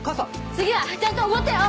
次はちゃんとおごってよ。